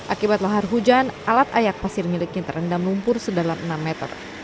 akibat lahar hujan alat ayak pasir miliknya terendam lumpur sedalam enam meter